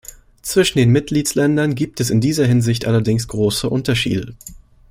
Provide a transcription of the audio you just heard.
Zwischen den Mitgliedsländern gibt es in dieser Hinsicht allerdings große Unterschiede.